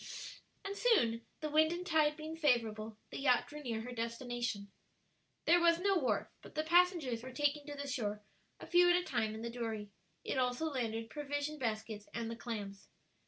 And soon, the wind and tide being favorable, the yacht drew near her destination. There was no wharf, but the passengers were taken to the shore, a few at a time, in the dory. It also landed provision baskets and the clams.